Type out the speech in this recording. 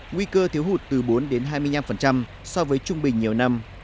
nguy cơ thiếu hụt từ bốn hai mươi năm so với trung bình nhiều năm